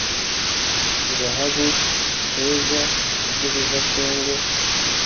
zahabu, feza ubwo biva kongo